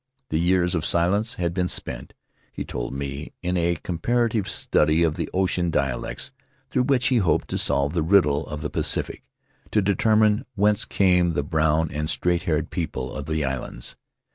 The years of silence had been spent (he told me) in a comparative study of the ocean dialects, through which he hoped to solve the riddle of the Pacific? — to determine whence came the brown and straight haired people of the islands.